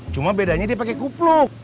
cuma bedanya dia pakai kuplok